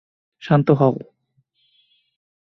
শান্ত হও!